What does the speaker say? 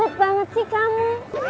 gila banget sih kamu